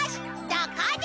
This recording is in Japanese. どこでも。